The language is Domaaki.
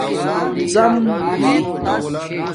ڎام ہوئ